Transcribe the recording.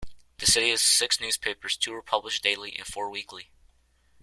The city has six newspapers; two are published daily and four weekly.